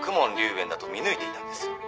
炎だと見抜いていたんです」